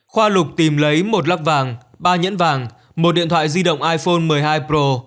khoa lục tìm lấy một lắp vàng ba nhẫn vàng một điện thoại di động iphone một mươi hai pro